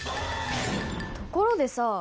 ところでさ